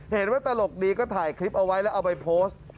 ตลกดีก็ถ่ายคลิปเอาไว้แล้วเอาไปโพสต์